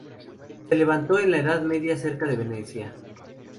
Se levantó en la Edad Media cerca de Venecia.